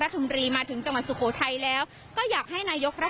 ที่จังหวัดผมก็ไป